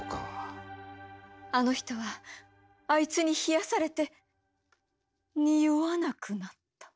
あの人はあいつに冷やされて臭わなくなった。